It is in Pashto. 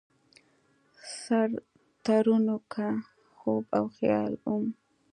سر ترنوکه خوب او خیال وم